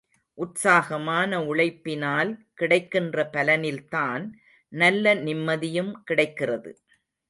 உற்சாகமான உழைப்பினால் கிடைக்கின்ற பலனில்தான், நல்ல நிம்மதியும் கிடைக்கிறது.